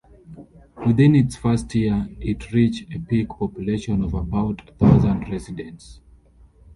Within its first year, it reach a peak population of about a thousand residents.